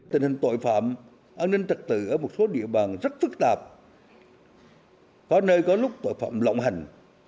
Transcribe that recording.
tình hình tội phạm an ninh trật tự ở một số địa bàn rất phức tạp có nơi có lúc tội phạm lộng hành